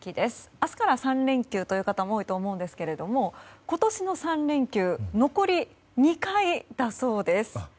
明日から３連休という方も多いと思うんですけど今年の３連休は残り２回だそうです。